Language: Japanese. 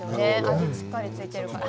味もしっかり付いているから。